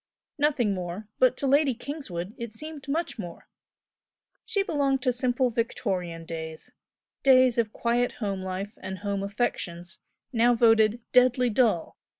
Nothing more, but to Lady Kingswood it seemed much more. She belonged to simple Victorian days days of quiet home life and home affections, now voted "deadly dull!"